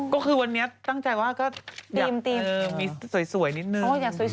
ก็คือวันนี้ตั้งใจว่ารู้สึกอย่างสวยนิดหนึ่ง